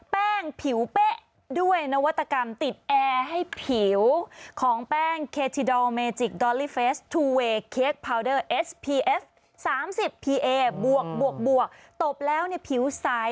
แป้งผิวเป๊ะด้วยนวัตกรรมติดแอร์ให้ผิว